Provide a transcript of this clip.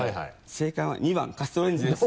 正解は２番カシスオレンジです。